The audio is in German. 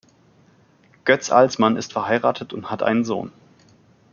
Götz Alsmann ist verheiratet und hat einen Sohn.